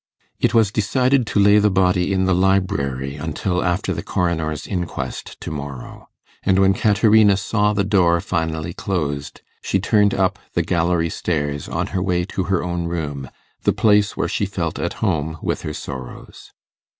It was decided to lay the body in the library until after the coroner's inquest to morrow; and when Caterina saw the door finally closed, she turned up the gallery stairs on her way to her own room, the place where she felt at home with her sorrows.